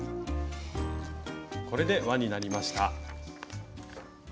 これで輪になりました。